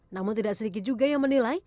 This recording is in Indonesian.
namun tidak sedikit juga yang menilai